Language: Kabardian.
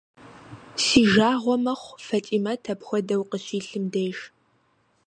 Си жагъуэ мэхъу Фатӏимэт апхуэдэу къыщилъым деж.